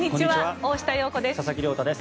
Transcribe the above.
大下容子です。